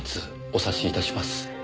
お察しいたします。